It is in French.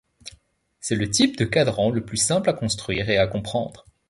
C'est le type de cadran le plus simple à construire et à comprendre.